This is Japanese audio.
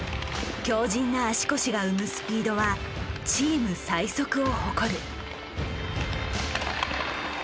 強じんな足腰が生むスピードはチーム最速を誇る。